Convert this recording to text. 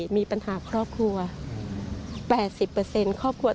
เขามีปัญหาอะไรกับใคร